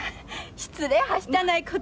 失礼、はしたないこと。